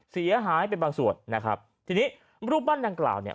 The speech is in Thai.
เสียหายเป็นบางส่วนนะครับทีนี้รูปปั้นดังกล่าวเนี่ย